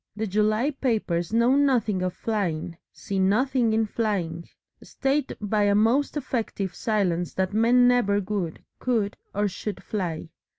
The July papers know nothing of flying, see nothing in flying, state by a most effective silence that men never would, could or should fly.